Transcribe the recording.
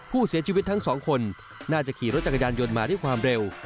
ผู้เสียชีวิตทั้งสองคนน่าจะขี่รถจักรยานยนต์มาด้วยความเร็ว